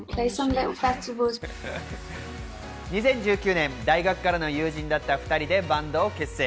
２０１９年、大学からの友人だった２人でバンドを結成。